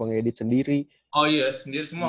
mengedit sendiri oh iya sendiri semua